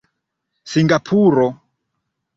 singapuro